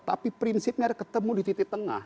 tapi prinsipnya ketemu di titik tengah